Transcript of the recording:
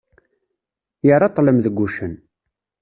Yerra ṭṭlem deg uccen.